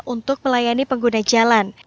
untuk melayani pengguna jalan